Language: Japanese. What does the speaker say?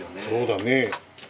そうだね。